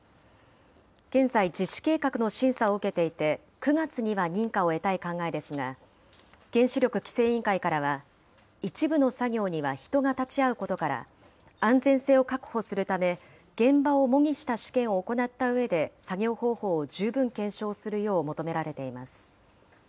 現在、実施計画の審査を受けていて、９月には認可を得たい考えですが、原子力規制委員会からは、一部の作業には人が立ち会うことから、安全性を確保するため、現場を模擬した試験を行ったうえで作業方法を十分検証するよう求められています。